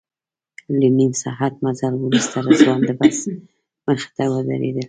له نیم ساعت مزل وروسته رضوان د بس مخې ته ودرېد.